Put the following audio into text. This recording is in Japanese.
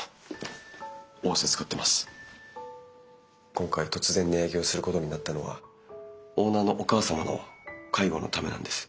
今回突然値上げをすることになったのはオーナーのお母様の介護のためなんです。